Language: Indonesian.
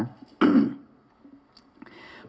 pasti masih ada beberapa hal